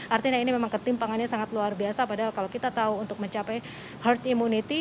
artinya ini memang ketimpangannya sangat luar biasa padahal kalau kita tahu untuk mencapai herd immunity